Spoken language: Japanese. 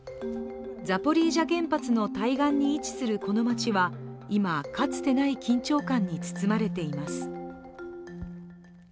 ザポリージャ原発の対岸に位置するこの町は今、かつてない緊張感に包まれています。